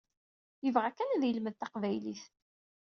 Yebɣa kan ad yelmed taqbaylit.